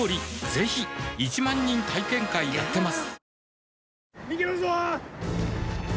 ぜひ１万人体験会やってますはぁ。